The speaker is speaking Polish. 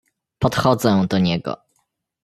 "Podchodzę do niego."